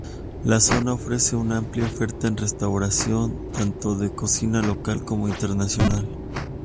La zona ofrece una amplia oferta en restauración, tanto de cocina local como internacional.